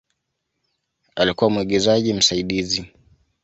Alikuwa mwigizaji msaidizi.